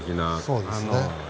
そうですね。